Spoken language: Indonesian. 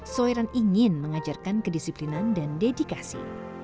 soiran ingin mengajarkan kedisiplinan dan dedikasi